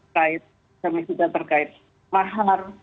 kait femisida terkait mahar